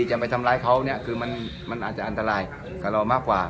จะไปทำร้ายเขาเนี่ยคือมันอาจจะอันตรายกับเรามากกว่า